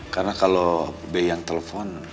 karena kalau be yang telepon